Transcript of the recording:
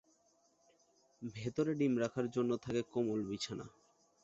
ভেতরে ডিম রাখার জন্য থাকে কোমল বিছানা।